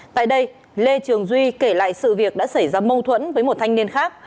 tại đây lê trường duy kể lại sự việc đã xảy ra mâu thuẫn với một thanh niên khác